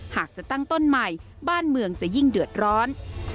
หากจะตั้งต้นใหม่บ้านเมืองจะยิ่งเดือดร้อน